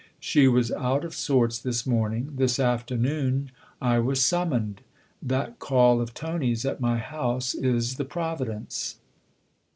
She was out of sorts this morning this afternoon I was summoned. That call of Tony's at my house is the providence